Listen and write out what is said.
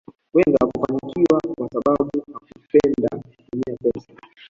Wenger hakufanikiwa kwa sababu hakupenda kutumia pesa